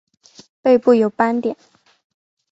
背部有斑点。